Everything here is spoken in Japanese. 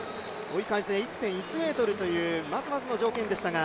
追い風１．１メートルというまずまずの条件でしたが。